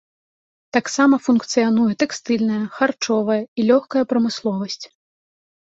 Таксама функцыянуе тэкстыльная, харчовая і лёгкая прамысловасць.